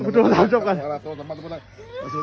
ผู้โชว์๓จบก่อน